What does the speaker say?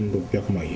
１６００万円。